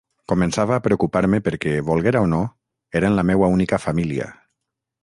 Començava a preocupar-me perquè, volguera o no, eren la meua única família.